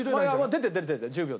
出てる出てる１０秒。